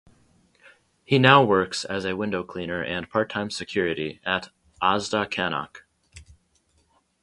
He now works as a window cleaner and part-time security at Asda, Cannock.